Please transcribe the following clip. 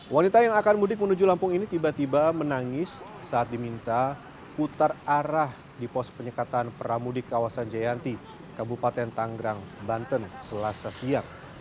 wanita yang akan mudik menuju lampung ini tiba tiba menangis saat diminta putar arah di pos penyekatan pramudik kawasan jayanti kabupaten tanggerang banten selasa siang